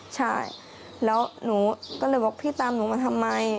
ใช่แล้วหนูก็เลยบอกพี่ตามหนูมาทำไม